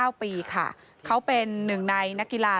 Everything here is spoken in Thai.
มันมีโอกาสเกิดอุบัติเหตุได้นะครับ